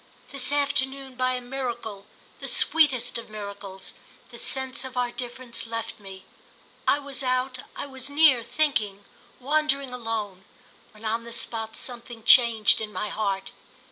This afternoon, by a miracle, the sweetest of miracles, the sense of our difference left me. I was out—I was near, thinking, wandering alone, when, on the spot, something changed in my heart.